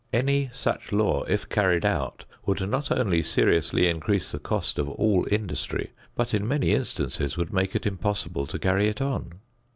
Any such law, if carried out, would not only seriously increase the cost of all industry, but in many instances would make it impossible to carry it on.